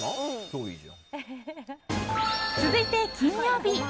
続いて、金曜日。